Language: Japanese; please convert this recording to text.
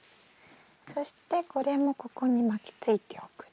そしてこれもここに巻きついておくれ。